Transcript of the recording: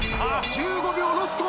１５秒ロスト。